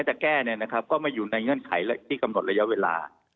ถึงไม่แต่แก้ก็ไม่อยู่ในเงื่อนไขที่กำหนดระยะเวลา